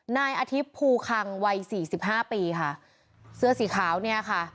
นายอาทิตย์ภูคังวัยสี่สิบห้าปีค่ะเสื้อสีขาวเนี่ยค่ะ